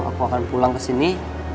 aku akan pulang ke sini